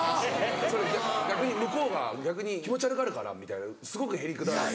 「それ逆に向こうが逆に気持ち悪がるから」みたいなすごくへりくだるんで。